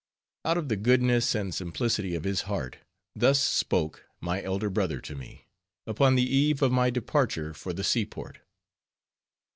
Out of the goodness and simplicity of his heart, thus spoke my elder brother to me, upon the eve of my departure for the seaport.